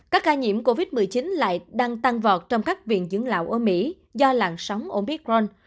các ca nhiễm covid một mươi chín lại đang tăng vọt trong các viện dưỡng lão ở mỹ do làn sóng omicron